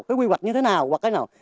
cái quy hoạch như thế nào hoặc cái nào